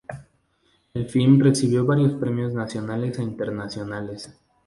El film recibió varios premios nacionales e internacionales.